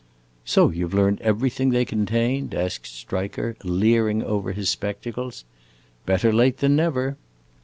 'So you 've learned everything they contain?' asked Striker, leering over his spectacles. 'Better late than never.